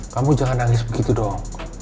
kamu jangan nangis begitu dong